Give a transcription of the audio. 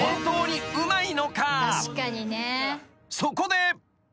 ［そこで］